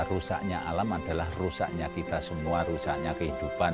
rusaknya alam adalah rusaknya kita semua rusaknya kehidupan